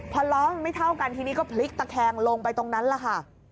พอล้อมันไม่เท่ากันทีนี้ก็พลิกตะแคงลงไปตรงนั้นแหละค่ะ